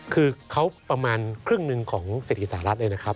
คือเขาประมาณครึ่งหนึ่งของเศรษฐีสหรัฐเลยนะครับ